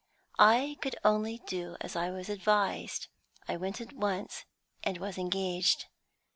I could only do as I was advised; I went at once, and was engaged.